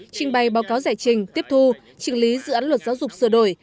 trình bày báo cáo giải trình tiếp thu trình lý dự án luật giáo dục sửa đổi